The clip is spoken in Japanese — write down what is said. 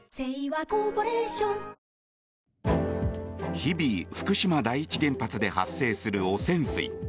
日々、福島第一原発で発生する汚染水。